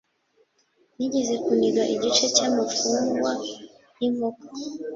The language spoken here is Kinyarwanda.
Nigeze kuniga igice cyamagufwa yinkoko